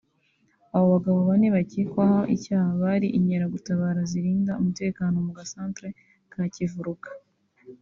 Abo bagabo bane bakekwaho icyaha bari inkeragutabara zirinda umutekano mu gasantere ka Kivuruga